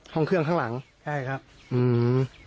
ห้องเครื่องข้างหลังใช่ครับอืม